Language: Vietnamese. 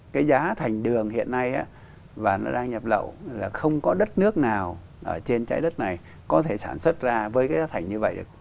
cái giá thành đường hiện nay và nó đang nhập lậu là không có đất nước nào ở trên trái đất này có thể sản xuất ra với cái giá thành như vậy được